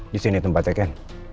di sini tempatnya kan